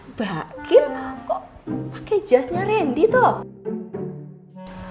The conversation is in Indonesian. mbak kim kok pake jasnya randy toh